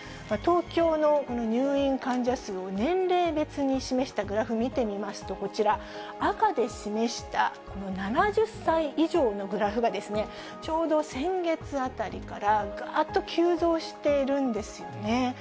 東京のこの入院患者数を年齢別に示したグラフ、見てみますと、こちら、赤で示したこの７０歳以上のグラフが、ちょうど先月あたりからがーっと急増しているんですよね。